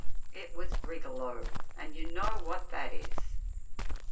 It was brigalow, and you know what that is.